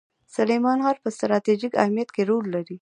سلیمان غر په ستراتیژیک اهمیت کې رول لري.